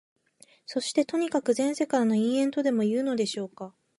そして、とにかく前世からの因縁とでもいうのでしょうか、